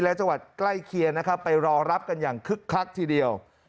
และจังหวัดใกล้เคียงนะครับไปรอรับกันอย่างคึกคักทีเดียว